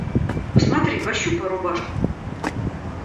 Посмотри, пощупай рубашку.